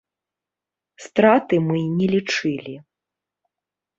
Страты мы не лічылі.